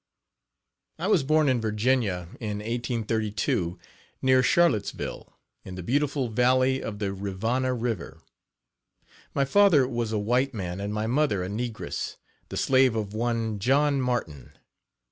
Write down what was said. I was born in Virginia, in 1832, near Charlottesville, in the beautiful valley of the Rivanna river. My father was a white man and my mother a negress, the slave of one John Martin.